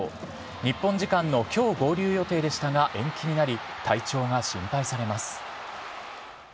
日本時間のきょう、合流予定でしたが、延期になり、体調が心配されます。